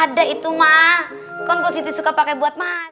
ada itu mah komposisi suka pakai buat maaf